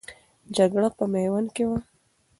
جګړه په میوند کې وه.